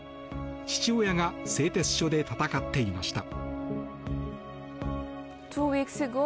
父親が製鉄所で戦っていました。